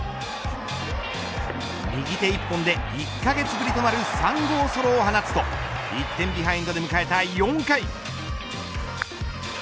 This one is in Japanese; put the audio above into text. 右手一本で１カ月ぶりとなる３号ソロを放つと１点ビハインドで迎えた４回。